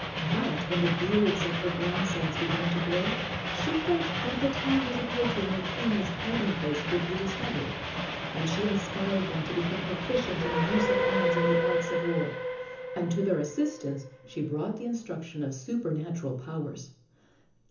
But when the beards of her grandsons began to grow she felt that the time was approaching when Hina's hiding place would be discovered, and she inspired them to become proficient in the use of arms and the arts of war. And to their assistance she brought the instruction of supernatural powers.